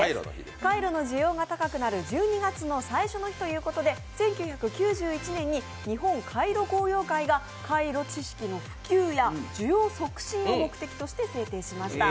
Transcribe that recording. カイロの需要が高くなる１２月の最初の日ということで１９９１年に日本カイロ工業会がカイロ知識の普及や需要促進を促しています。